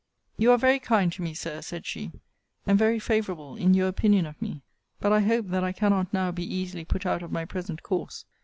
You are very kind to me, Sir, said she, and very favourable in your opinion of me. But I hope that I cannot now be easily put out of my present course.